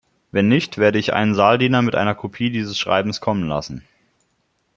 Wenn nicht, werde ich einen Saaldiener mit einer Kopie dieses Schreibens kommen lassen.